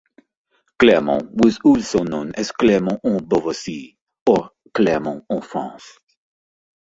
Clermont was also known as Clermont-en-Beauvaisis or Clermont-en-France.